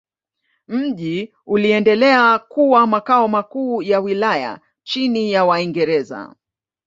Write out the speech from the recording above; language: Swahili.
Mji uliendelea kuwa makao makuu ya wilaya chini ya Waingereza.